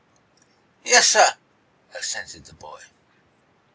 "Yes, sir," assented the boy.